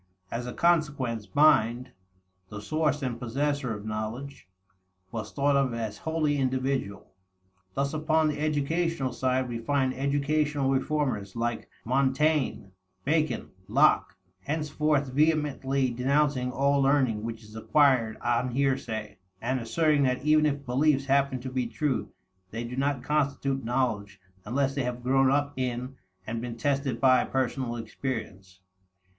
As a consequence, mind, the source and possessor of knowledge, was thought of as wholly individual. Thus upon the educational side, we find educational reformers, like Montaigne, Bacon, Locke, henceforth vehemently denouncing all learning which is acquired on hearsay, and asserting that even if beliefs happen to be true, they do not constitute knowledge unless they have grown up in and been tested by personal experience.